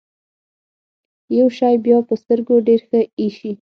يو شی بيا په سترګو ډېر ښه اېسي.